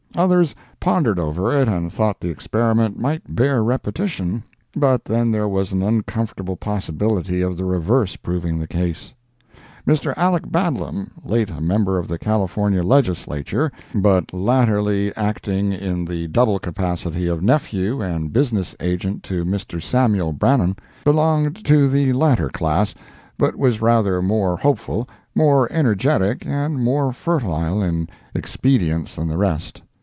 Others pondered over it and thought the experiment might bear repetition, but then there was an uncomfortable possibility of the reverse proving the case. Mr. Aleck Badlam, late a member of the California Legislature, but latterly acting in the double capacity of nephew and business agent to Mr. Samuel Brannan, belonged to the latter class, but was rather more hopeful, more energetic and more fertile in expedients than the rest.